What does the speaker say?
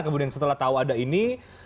kemudian setelah tahu ada ini